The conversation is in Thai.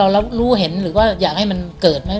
แล้วรู้เห็นหรือว่าอยากให้มันเกิดไหม